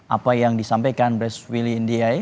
apa yang disampaikan bresweli ndiaye